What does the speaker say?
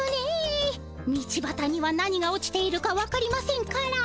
道ばたには何が落ちているかわかりませんから。